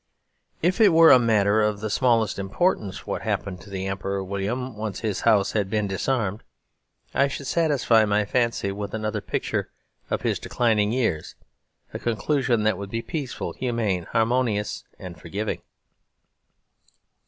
If it were a matter of the smallest importance what happened to the Emperor William when once his house had been disarmed, I should satisfy my fancy with another picture of his declining years; a conclusion that would be peaceful, humane, harmonious, and forgiving.